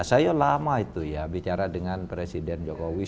saya lama itu ya bicara dengan presiden jokowi